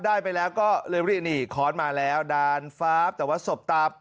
ได้ไปแล้วก็เลยเรียกนี่ค้อนมาแล้วดานฟ้าแต่ว่าสบตา